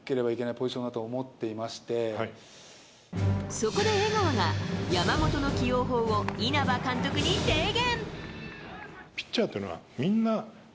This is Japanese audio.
そこで江川が山本の起用法を稲葉監督に提言。